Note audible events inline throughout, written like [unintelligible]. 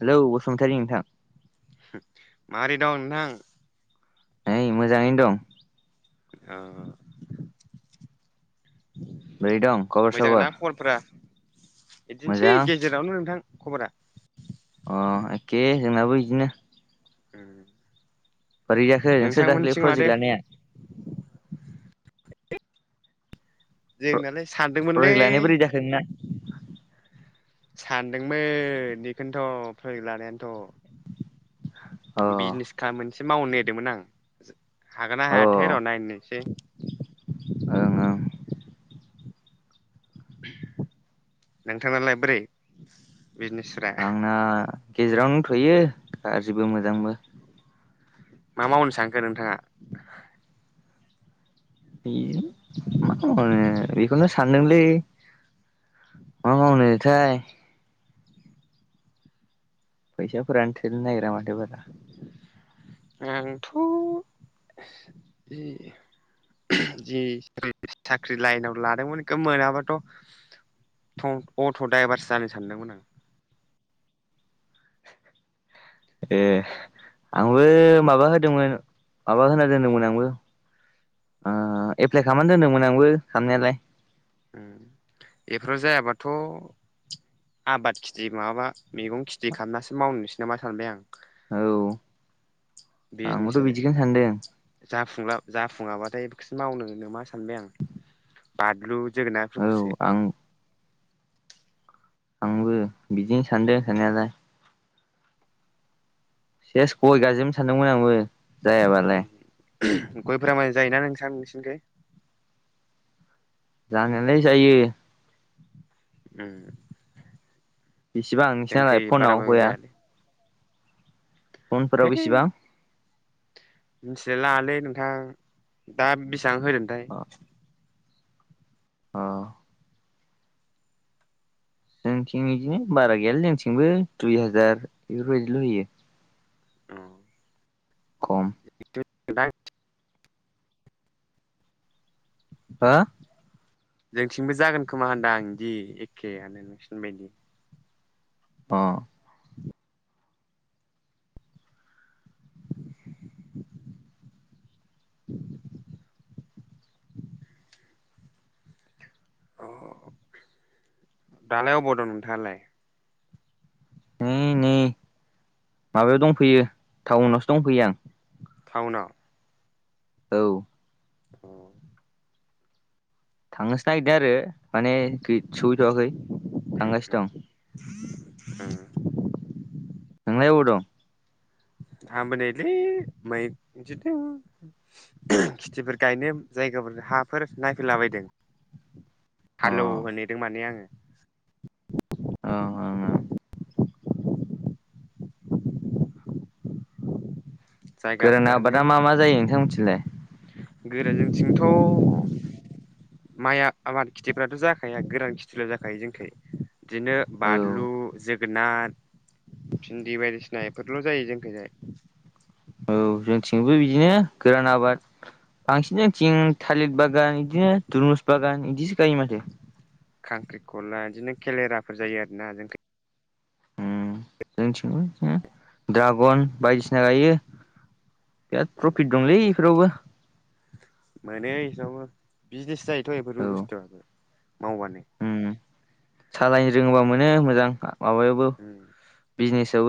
Hello Basumatary नोंथां माबोरै दं नोंथां? नै मोजाङैनो दं अ बोरै दं खबर मोजां सबर ना खबरफ्रा? बिदिनोसै मोजां गेजेरावनो नोंथां खबरा अ एखे जोंनाबो इदिनो उ बोरै जाखो नोंसोर दाखालै प्रजेक्ट लानाया प्र जोंनालाय सानदोंमोनलै प्रजेक्ट लानाया बोरै जाखो नोंना सानदोंमोन बेखौनोथ' प्रजेक्ट लानायानोथ' अ बिजनेस खालाम मोनसे मावनो नागिरदोंमोन आं हागोन ना अ हाया थाय र' ओं नायनोसै ओं नोंथाङा लाइ बोरै बिजनेसफ्रा आंना गेजेरावनो दंथ'यो गाज्रिबो मोजांबो मा मावनो सानखो नोंथाङा? बे मा खालामबावनो बेखौनो सानदोंलै [unintelligible] फैसा फोरानो थोनो नागिरा माथो बारा आंथ' जि जि साख्रि लाइनाव लादोंमोन बेखौ मोनाबाथ' अट' द्राइभार जानो सानदोंमोन आं ए आंबो माबा होदोंमोन माबा होना दोनदोंमोन आंबो ओ एप्लाइ खालामनानै दोनदोंमोन आंबो खालामनायालाय बेफोराव जायाबाथ' आबाद खिथि माबाबा मैगं खिथि खालामनासो मावनोसै नामा सानबाय आं औ बिजनेसो आंबोथ' बिदिखौनो सानदों जाफुंला जाफुङाबाथाय बेखौसो मावनो नो मा सानबाय आं बादलु औ जोगोनारफोरखौसो आं आंबो बिदिनो सानदों सनायालाय सेस गय गाजोबनो सानदोंमोन आंबो जायाबालाय गयफोरा माजां जायोना नोंथां नोंसिनिखौ? जानायलाय जायो। ओम बिसेबां नोंस नालाय फनाव गया? जायालै फनफोराव है बेसिबां जालालै नोंथां दा बेसेबां होदों थाय औ जोंथिं बिदिनो बारा गैयालाय जोंथिंबो दुइ हाजार बेफोरबायदिल' होयो खम [unintelligible] हा जोंथिंबो जागोन खोमा होनदां इदि एखेआनो नोंसिनिबायदि अ अ दालाय अबाव दं नोंथाङालाय? उ नै माबायाव दंफैयो टाउनावसो दंफैयो आं। टाउनाव औ औ थांनोसो नागिरदों आरो माने [unintelligible] सहैथ'वाखै उम थांगासिनो उम दं। उम नोंलाय अबाव दं? आंबो नैलै [unintelligible] खिथिफोर गायनो जायगा गोबोर हाफोर नायफैलाबायदों अ हालेवहोनो ओं नेदों माने आङो। ओं ओं ओं गोरान आबादा मा मा जायो नोंथां मोनथिंलाय? गोराजोंथिंथ' माइआ आबाद खेथिफ्राथ' जाखाया गोरान खेथिल' जाखायो जोंखाय बिदिनो औ बानलु [unintelligible] जोगोनार, भिन्दि बायदिसिना बेफोरल' जायो जोंखैहाय। औ जोंथिंबो बिदिनो गोरान आबाद बांसिन जोंथिं थालिर बागान बिदिनो दुरमुस बागान बिदिसो गायो माथो। खांख्रिखला बिदिनो केलेराफोर जायो आर ना जोंखै। उम जोंथिंबो बिदिनो ड्रागन बायदिसिना गायो। बिराद प्रफिट दंलै इफोरावबो। मोनो इसावबो बिजनेस जायोथ' बेफोरबो औ बुस्थुआ मावबानो। उम सालायनो रोङोबा मोनो मोजां माबायावबो बिजनेस [unintelligible]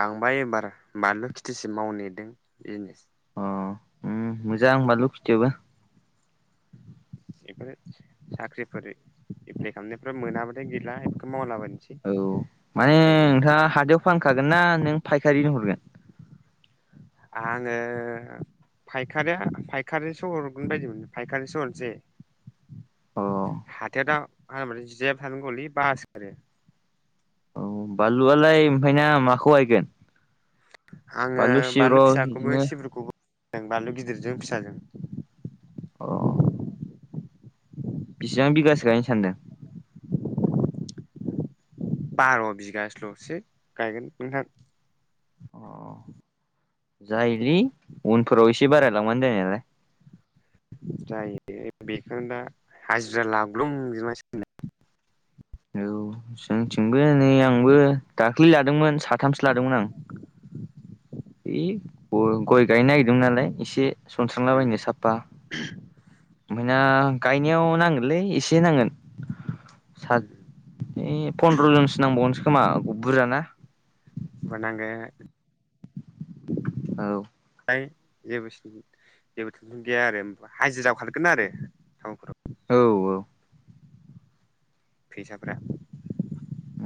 आंबा एबार बानलु खिथिसो मावनोनेदों बिजनेस अ उम मोजां बानलु खिथियाबो। [inaudible] बेफोरो साख्रिफोर एप्लाइ खालामनायफ्रा मोनाबाथाय गैला बेफोरखौ मावलाबानो औ माने नोंथाङा हाथाइआव फानखागोन ना नों फायखारिनो हरगोन। आङो फायखारिया फायखारिसो हरगोन बायदिमोन फायखारिसो हरनोसै। अ हाथाइआवथ' मा होनो मोनलाय जिरायबाय थानांगलै बासो गारो। औ बानलुआलाय ओमफ्राय ना माखौ गायगोन? आङो बानलु फिसाखौबो बिदिनो सिब्रुखौबो [unintelligible] बानलु गिदिरजों फिसाजों। अ बिसिबां बिगासो गायनो सानदों? बार' बिगासोल'सो गायगोन नोंथां। अ जायोलै उनफोराव एसे बारायलांबानो जानायालाय। जायोलै बेखौनो दा हाजिरा लाग्लुं जोबनांसिगोनलाय। औ जोंथिंबो नै आंबो दाख्लै लादोंमोन साथामसो लादोंमोन आं। है गय गय गायनो नागिरदोंमोन नालाय एसे सनस्रांलाबायनो साफ्फा [unintelligible] गायनायाव नांगोनलै एसे नांगोन। साथ ओइ पनद्र'जनसो नांबावगोनसो खोमा बुरजाना [unintelligible] नांगोन। औ होइ जेबो [unintelligible] जेबो टेनसन गैया आरो हाजिरायाव खारगोन आरो टाउनफोराव। औ औ फैसाफ्रा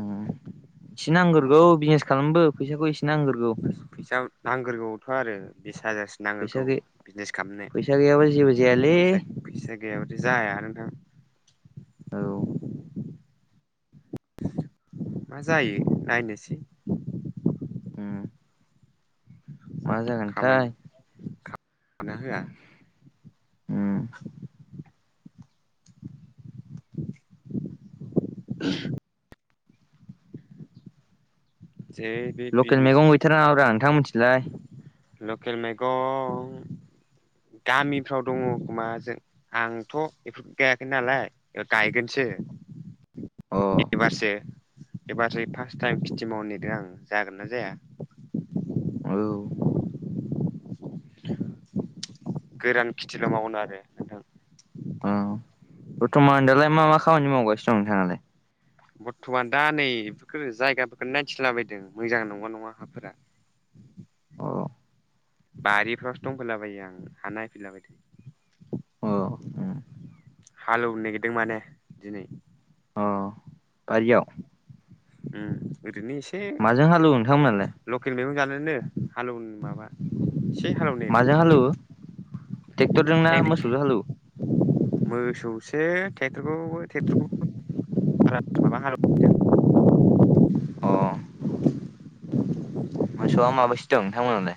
ओम एसे नांगोरगौ बिजनेस खालामनो बो फैसाखौ एसे नांग्रोगौ फैसा नांग्रोगौथ' आरो एसे हाजारसो फैसा नांगोरगौ गै बिजनेस फैसा गैयाबा जेबो खालामनो जायालै फैसाग फैसागैयाबाथाय जाया नोंथां औ मा जायो नायनोसै ओम मा जागोनथाय? मान हो [unintelligible] ओम [unintelligible] जे बे लकेल बिजनेस मैगं गैथारा नोंथां मोनथिलाय? लकेल मैगं गामिफ्राव दङ खोमा जों आंथ' बेफोरखौ गायाखै नालाय गायगोनसो। अ औ बेनिफारसे [unintelligible] एबारसो फार्स्ट टाइम खेथि मावनो नागिर दों आं, जागोन ना जाया? औ गोरान खेथिल' मावगोन आरो नोंथां। औ बरथ'मान दालाय मा मा खामानि मावगासिनो दं नोंथाङालाय? बरथ'मान दा नै बेफोरखौ जायगाफोरखौ नायथिलाबायदों मोजां नंगौ ना नङा हाफोरा। [unintelligible] अ बारिफ्रावसो दंफैलाबायो आं हा नायफैला बायदों। औ ओम हालेवनो नागिरदों माने दिनै। अ' बारियाव? ओम बिदिनो एसे माजों हालौवो नोंथांमोनालाय लकेल मैगं जानोनो हालेवनो माबा। एसे हालेवनो नागिरदों। ट्रेक्टर जोंनाा हें मोसौ जों हालेवयो? एसेेटरखौ ्रेक्टरखौार माबा हैदों [unintelligible] अ मोसौआ माबैसो दं नोंथांमोनालाय?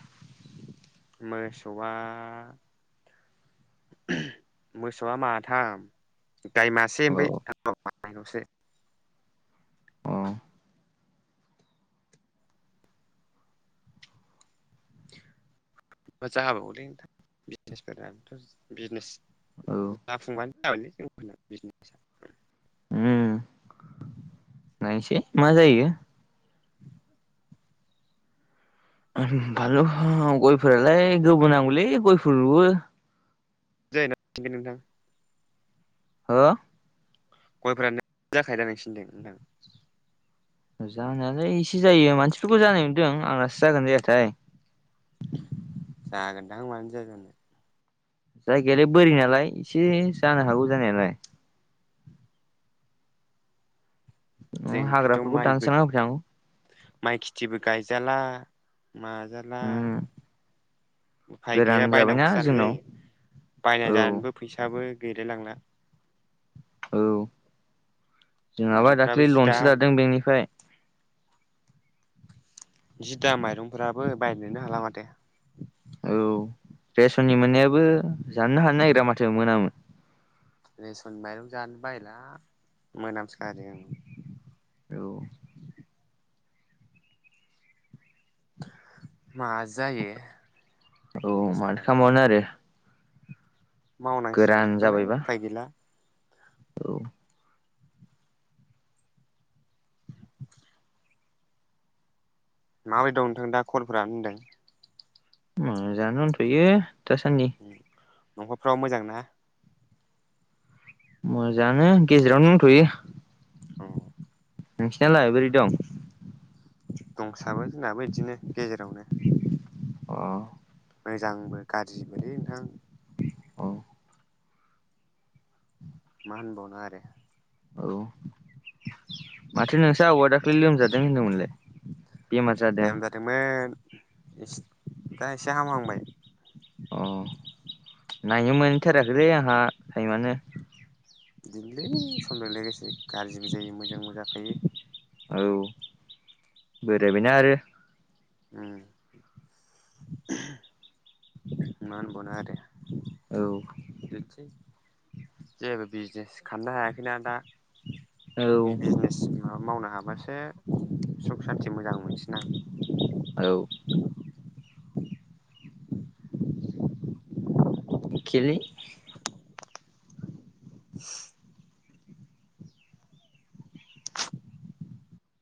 मोसौआ? मोसौआ माथाम गाय मासे औ ओमफ्राय मन'से [unintelligible] औ जाहाबावलैोंथां बिजनेसफोराथ' बिजनेस औ जाफुंबानो [unintelligible] ों बिजने [unintelligible] ओम नायसै मा जायो? [unintelligible] ओम बालु गयफोरालाय गोबोनांगौलै गयफोर राबो। [unintelligible] हा गयफोराानो जाखायोदा नोंसिनिथिं नोंथां। जानायालाय एसे जायो मानसिफोरखौ जानाय नुदों आंनासो जागोना जायाथाय? जागोनदां मानो जायाजानो। जायगायालाय बोरि नालाय एसे जानो हागौ जानायालाय। जोंखैथ' हाग्राफोरखौ माइबो दानस्रां ना होबाय थानांगौ। माइ खेथिबो गायजाला माजाला। उम उफाय गोरान गैया जाबायना बायनांगौसो जानाय जोंनाव जायो बायनानै औ जानोबो फैसाबो। गैलायलांना। औ जोंहाबा माइरंफ्राबो जि दाख्लिलनसो दाम लादों बेंकनिफ्राय। जिदा माइरंफोराबो बायनोनो हाला माथो। औ जो‌ मोनामो। रेसन माइरं जानो बायला मोनामसखा आरो आ। औ। मा जायो औ माथो बिजनेसफोराथ'। खालामबावनो आरो मावनांसिगोन बेखौनो उफाय गैला। औ। माबायदि दं नोंथां दा कलफोरानो होनदों। मोजांआनो दोंथ'यो दासान्दि। न'खरफ्राव मोजां ना। मोजां आंनो गेजेराव दंथयो। औ। नोंसिनालाय बोरै‌ दं। दंसाबो जोंनाबो बिदिनो गेजेरावनो। अ। मोजांबो गाज्रिबोलै नोंथां। औ। मा होनबावनो आरो। औ माथो नोंसा आबौआ दाखालि लोमजादों होनदोंमोनलाय। बेमार जादों लेमजादोंमोन दा एसे हामहांबाय। अ नायनो मोनथाराखैलै आंहा टाइमानो। बिदिनोलै समलजों लोगोसे गाज्रिबो जायो मोजांबो जाखायो। औ बोरायबायना आरो। उम मा‌ होनबानो आरो। औ। बिदिनोसै जेबो बिजनेस खालामनो हायाखैना दा। औ बिजनेस। मा मावनो हाबासो सुख सान्थि मोजां मोनसिन आं। औ। खेलो।